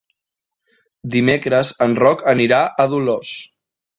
Dimecres en Roc anirà a Dolors.